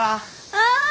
ああ！